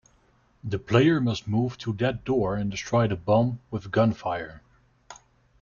The player must move to that door and destroy the bomb with gunfire.